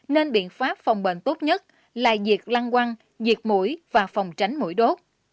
nên biện pháp phòng bệnh tốt nhất là diệt lăng quăng diệt mũi và phòng tránh mũi đốt